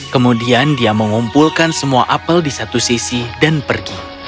kemudian dia mengumpulkan semua apel di satu sisi dan pergi